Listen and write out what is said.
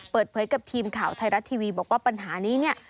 เปิดเผยกับทีมข่าวไทยรัฐทีวีบอกว่าปัญหานี้เนี่ย